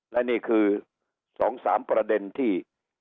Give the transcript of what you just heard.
และนี่คือ๒๓ประเด็นที่